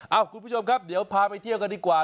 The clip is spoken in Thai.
คุณผู้ชมครับเดี๋ยวพาไปเที่ยวกันดีกว่า